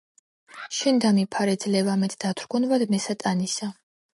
შენ დამიფარე, ძლევა მეც დათრგუნვად მე სატანისა,